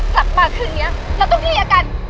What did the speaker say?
ศักดิ์มาคืนนี้เราต้องลีอากัน